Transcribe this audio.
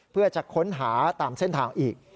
เพื่อจะค้นหาตามเส้นทางอีก